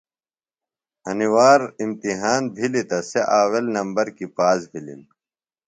انیۡ وار امتحان بِھلیۡ تہ سےۡ آویل نمبر کیۡ پاس بِھلِم۔